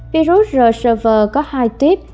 virus rsvn có hai tuyếp